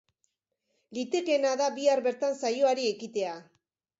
Litekeena da bihar bertan saiori ekitea.